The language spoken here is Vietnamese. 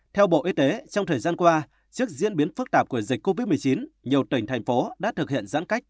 theo bộ y tế trong thời gian qua trước diễn biến phức tạp của dịch covid một mươi chín nhiều tỉnh thành phố đã thực hiện giãn cách